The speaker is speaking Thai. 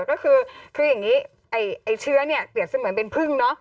ก็คืออย่างนี้ไอ้เชื้อเนี่ยเปรียบเสมือนเป็นพึ่งเนอะ